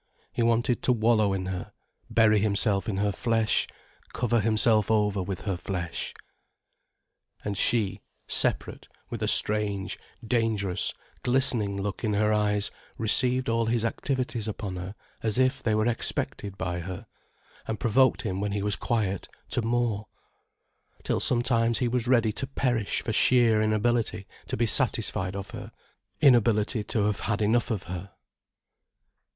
He wanted to wallow in her, bury himself in her flesh, cover himself over with her flesh.] And she, separate, with a strange, dangerous, glistening look in her eyes received all his activities upon her as if they were expected by her, and provoked him when he was quiet to more, till sometimes he was ready to perish for sheer inability to be satisfied of her, inability to have had enough of her.